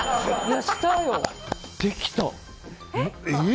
できた。